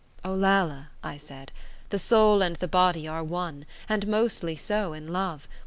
"Olalla," I said, "the soul and the body are one, and mostly so in love.